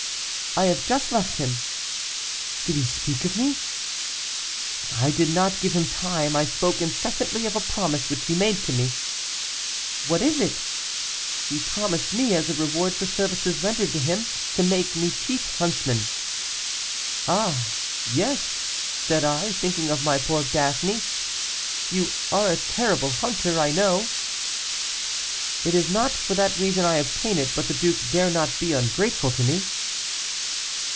'I have just left him.' 'Did he speak of me?' 'I did not give him time; I spoke incessantly of a promise which he made to me.' 'What is it?' 'He promised me as a reward for services rendered to him, to make, me chief huntsman.' 'Ah, yes,' said I, thinking of my poor Daphné 'you are a terrible hunter, I know.' 'It is not for, that reason I obtain it, but the duke dare not be ungrateful to me.